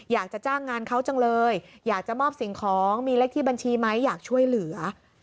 อยากจะจ้างงานเขาจังเลยอยากจะมอบสิ่งของมีเลขที่บัญชีไหมอยากช่วยเหลือ